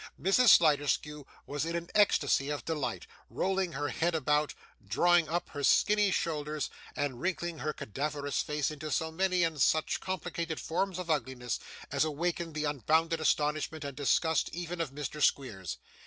Mrs. Sliderskew was in an ecstasy of delight, rolling her head about, drawing up her skinny shoulders, and wrinkling her cadaverous face into so many and such complicated forms of ugliness, as awakened the unbounded astonishment and disgust even of Mr Squeers.